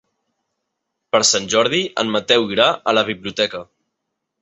Per Sant Jordi en Mateu irà a la biblioteca.